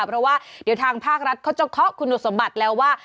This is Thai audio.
เพราะว่าเดี๋ยวทางภาครัฐเขาจะเคาะคุณสมบัติแล้วว่า